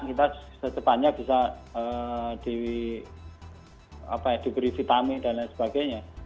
kita secepatnya bisa diperiksa kami dan lain sebagainya